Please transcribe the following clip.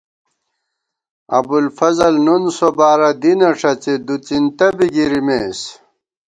ابُوالفضل نُن سوبارہ دینہ ݭَڅی دُڅِنتہ بی گِرِمېس